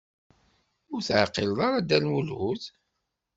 Ur teɛqileḍ ara Dda Lmulud?